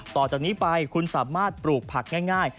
ต่อจากนี้ไปคุณสามารถปลูกผักง่าย